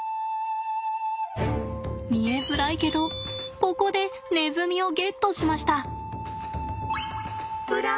見えづらいけどここでネズミをゲットしました！